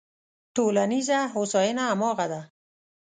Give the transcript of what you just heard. ټولنیزه هوساینه همغه ده.